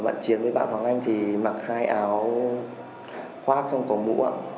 bạn chiến với bạn hoàng anh thì mặc hai áo khoác xong có mũ